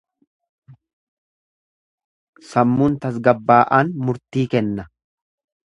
Sammuun tasgabbaa’aan murtii kenna.